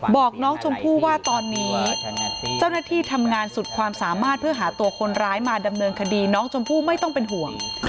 บอกน้องชมพู่ว่าตอนนี้เจ้าหน้าที่ทำงานสุดความสามารถเพื่อหาตัวคนร้ายมาดำเนินคดีน้องชมพู่ไม่ต้องเป็นห่วง